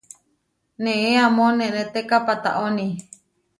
Neé amó neʼnéteka patáoni.